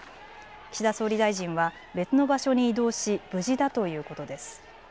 岸田総理大臣は別の場所に移動し無事だということです。